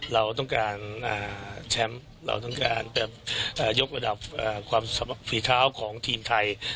เราต้องการแชมป์เราต้องการแต่ยกระดับความฝีเท้าของทีมไทย